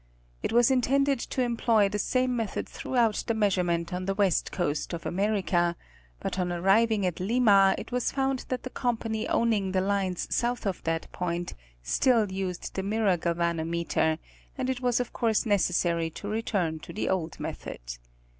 It was intended to employ the same method throughout the measurement on the west coast of America, but on arriving at Lima, it was found that the company owning the lines south of that point still used the mirror galvanometer, and it was of course necessary to return to the old method.